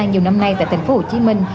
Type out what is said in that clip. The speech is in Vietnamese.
nhiều năm nay tại thành phố hồ chí minh